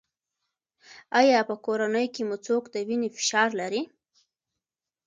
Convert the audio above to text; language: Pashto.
ایا په کورنۍ کې مو څوک د وینې فشار لري؟